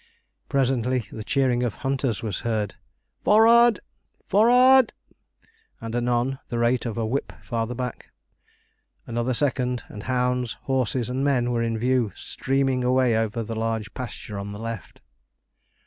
Presently the cheering of hunters was heard 'FOR rard! FOR rard!' and anon the rate of a whip farther back. Another second, and hounds, horses, and men were in view, streaming away over the large pasture on the left.